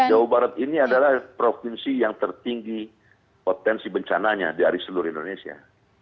jawa barat ini adalah provinsi yang tertinggi potensi bencananya dari seluruh indonesia